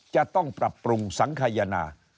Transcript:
จะต้องปรับปรุงสังขยนา